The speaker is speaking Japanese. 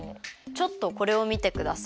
ちょっとこれを見てください。